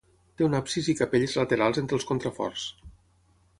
Té un absis i capelles laterals entre els contraforts.